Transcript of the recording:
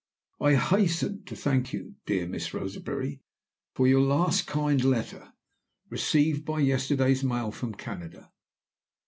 "I HASTEN to thank you, dear Miss Roseberry, for your last kind letter, received by yesterday's mail from Canada.